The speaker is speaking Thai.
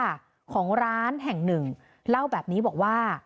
ของร้านแห่งหนึ่งเล่าแบบนี้บอกว่า